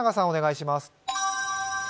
お願いします。